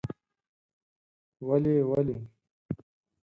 ولې؟ ولې؟؟؟ ….